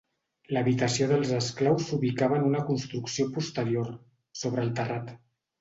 L'habitació dels esclaus s'ubicava en una construcció posterior, sobre el terrat.